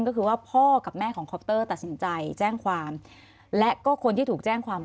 ก็คือว่าพ่อกับแม่ของคอปเตอร์ตัดสินใจแจ้งความและก็คนที่ถูกแจ้งความ